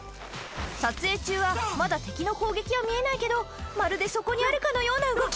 撮影中はまだ敵の攻撃は見えないけどまるでそこにあるかのような動き！